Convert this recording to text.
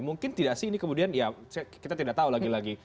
mungkin tidak sih ini kemudian ya kita tidak tahu lagi lagi